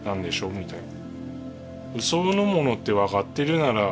みたいな。